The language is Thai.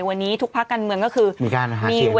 วันนี้ทุกพักกันเมืองก็คือมีการหาเสียงเนอะ